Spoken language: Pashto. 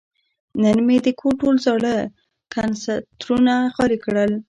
نن مې د کور ټول زاړه کنسترونه خالي کړل.